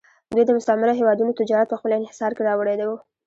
دوی د مستعمره هېوادونو تجارت په خپل انحصار کې راوړی و